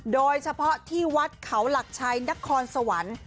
โดยเฉพาะที่วัดเขาหลักชัยนครสวรรค์